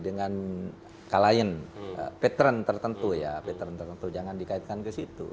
dengan kalian veteran tertentu ya veteran tertentu jangan dikaitkan ke situ